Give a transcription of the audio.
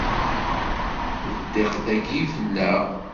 D ddiq dayi fell-aɣ.